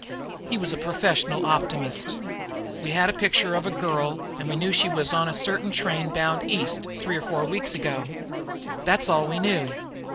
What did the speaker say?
He was a professional optimist. "We had a picture of a girl, and we knew she was on a certain train bound East, three or four weeks ago. That's all we knew.